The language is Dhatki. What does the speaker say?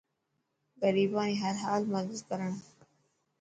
غريبان ري هر حال مدد ڪرو.